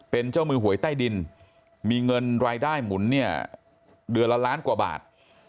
เป็นเจ้ามือหวยใต้ดินมีเงินรายได้หมุนเนี่ยเดือนละล้านกว่าบาท